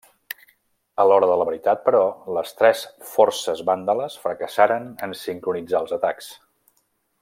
A l'hora de la veritat, però, les tres forces vàndales fracassaren en sincronitzar els atacs.